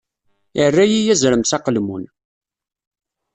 Irra-yi azrem s aqelmun.